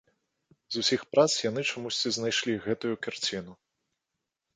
З усіх прац яны чамусьці знайшлі гэтую карціну.